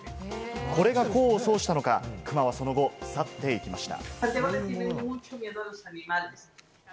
これが功を奏したのか、クマはその後、去っていきました。